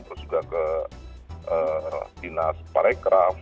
terus juga ke dinas parekraf